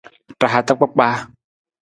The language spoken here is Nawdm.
Ra hata kpakpaa.